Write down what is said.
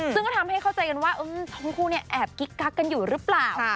ซึ่งก็ทำให้เข้าใจกันว่าทั้งคู่เนี่ยแอบกิ๊กกักกันอยู่หรือเปล่า